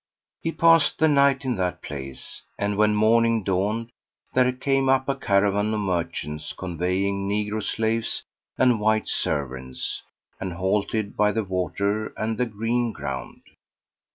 He passed the night in that place, and when morning dawned there came up a caravan of merchants conveying negro slaves and white servants, and halted by the water and the green ground.